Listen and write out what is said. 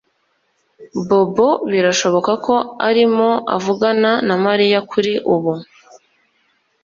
Bobo birashoboka ko arimo avugana na Mariya kuri ubu